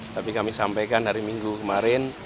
tapi kami sampaikan hari minggu kemarin